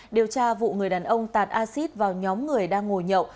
điều tra vụ người đàn ông tạt acid vào nhóm người đang ngồi nhậu